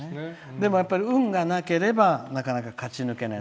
でも、やっぱり運がなければなかなか勝ち上がれない。